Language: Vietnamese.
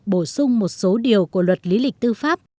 bổ sung một số điều của luật lý lịch tư pháp